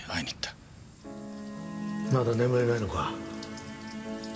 まだ眠れないのか？